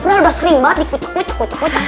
udah sering banget dikucuk kucuk